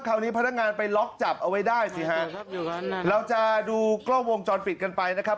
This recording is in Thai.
พนักงานไปล็อกจับเอาไว้ได้สิฮะเราจะดูกล้องวงจรปิดกันไปนะครับ